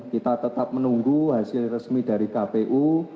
kita tetap menunggu hasil resmi dari kpu